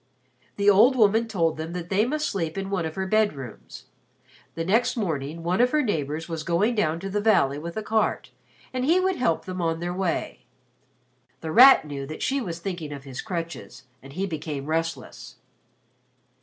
The old woman told them that they must sleep in one of her bedrooms. The next morning one of her neighbors was going down to the valley with a cart and he would help them on their way. The Rat knew that she was thinking of his crutches and he became restless.